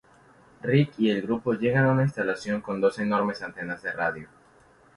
Rick y el grupo llegan a una instalación con dos enormes antenas de radio.